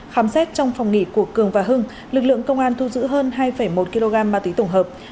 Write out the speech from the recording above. khám xét trong phòng nghỉ của cường và hưng lực lượng công an thu giữ hơn hai một kg ma túy tổng hợp